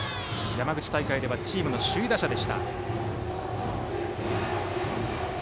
山口大会ではチームの首位打者でした。